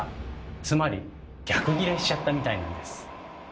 つまり逆ギレしちゃったみたいなんです。